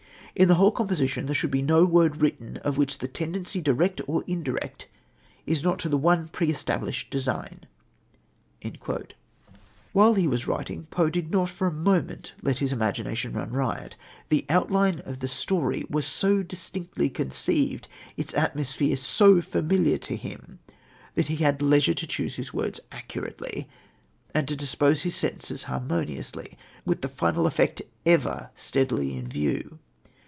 In the whole composition there should be no word written of which the tendency direct or indirect is not to the one pre established design." While he was writing, Poe did not for a moment let his imagination run riot. The outline of the story was so distinctly conceived, its atmosphere so familiar to him, that he had leisure to choose his words accurately, and to dispose his sentences harmoniously, with the final effect ever steadily in view.